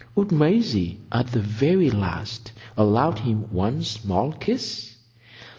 Would Maisie at the very last allow him one small kiss?